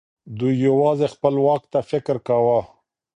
دوی يوازې خپل واک ته فکر کاوه.